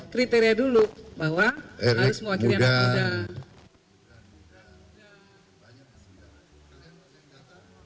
kriteria dulu bahwa harus mewakili anak muda